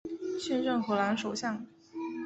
现任荷兰首相。